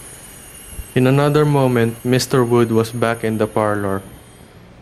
In another moment Mr. Wood was back in the parlour.